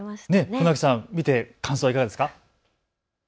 船木さん感想はいかがですか。